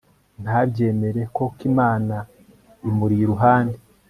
NTABYEMERE KOK IMANA imuri iruhande